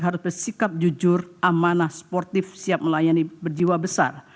harus bersikap jujur amanah sportif siap melayani berjiwa besar